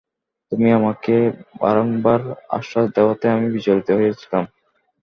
তুমি আমাকে বারংবার আশ্বাস দেওয়াতেই আমি বিচলিত হইয়াছিলাম।